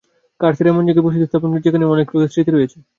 কার্সেরা এমন জায়গায় বসতি স্থাপন করে যেখানে অনেক লোকের স্মৃতি রয়েছে।